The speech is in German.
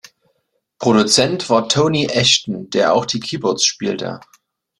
Produzent war Tony Ashton, der auch die Keyboards spielte.